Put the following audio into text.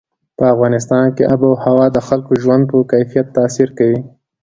په افغانستان کې آب وهوا د خلکو د ژوند په کیفیت تاثیر کوي.